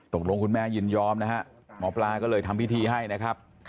คุณแม่ยินยอมนะฮะหมอปลาก็เลยทำพิธีให้นะครับ